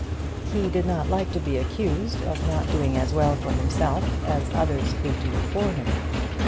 He did not like to be accused of not doing as well for himself as others could do for him.